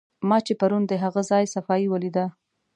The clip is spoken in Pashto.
ما چې پرون د هغه ځای صفایي ولیده.